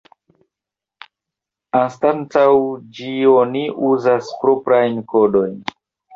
Anstataŭ ĝi oni uzas proprajn kodojn.